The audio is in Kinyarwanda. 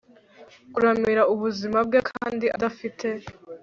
kuramira ubuzima bwe kandi adafite